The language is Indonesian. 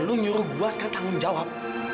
lu nyuruh gue sekarang tanggung jawab